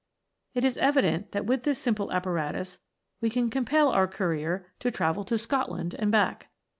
It is evident that with this simple apparatus we can com pel our courier to travel to Scotland and back.